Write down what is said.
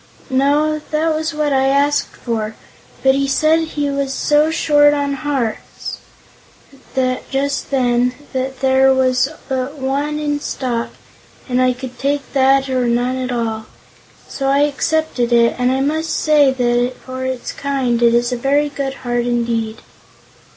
"No; that was what I asked for, but he said he was so short on hearts, just then, that there was but one in stock, and I could take that or none at all. So I accepted it, and I must say that for its kind it is a very good heart indeed."